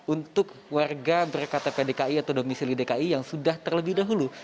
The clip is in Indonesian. untuk warga berktp dki atau domisili dki yang sudah terlebih dahulu